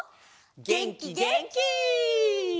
げんきげんき！